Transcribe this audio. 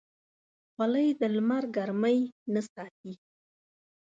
خولۍ د لمر ګرمۍ نه ساتي.